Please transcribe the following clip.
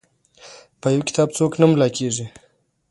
په یو کتاب څوک نه ملا کیږي.